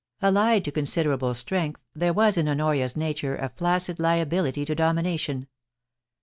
Allied to considerable strength, there was in Honoria's nature a flaccid liability to domination.